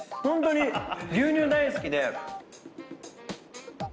ホントに牛乳大好きで。